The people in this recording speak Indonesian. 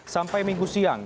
sampai minggu siang